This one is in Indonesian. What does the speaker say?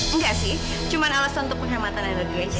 enggak sih cuma alasan untuk penghematan energi